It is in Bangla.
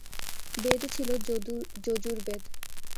বেদ ছিল যজুর্বেদ।